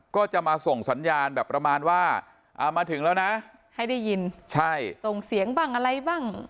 ก็จะมาส่งสัญญาณแบบประมาณว่าอ่ามาถึงแล้วนะให้ได้ยินใช่ส่งเสียงบ้างอะไรบ้าง